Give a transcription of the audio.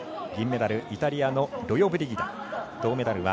銀メダルイタリアのロヨブリギダ。